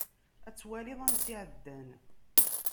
Ad twaliḍ ansi εeddan.